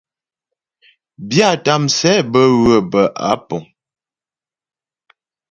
Byâta msɛ bə́ ywə̌ bə́ á puŋ.